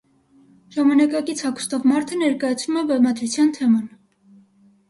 Ժամանակակից հագուստով մարդը ներկայացնում է բեմադրության թեման։